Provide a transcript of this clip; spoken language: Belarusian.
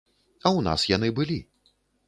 А ў нас яны былі.